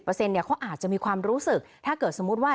เขาอาจจะมีความรู้สึกถ้าเกิดสมมุติว่า